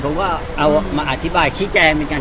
ผมก็เอามาอธิบายชี้แจงเหมือนกัน